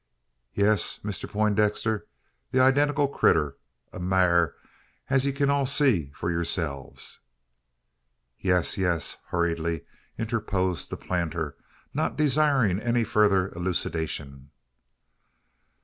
"Ye es, Mister Peintdexter; the eyedenticul critter a maar, es ye kin all see for yurselves " "Yes, yes," hurriedly interposed the planter, not desiring any further elucidation.